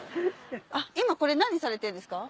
今これ何されてるんですか？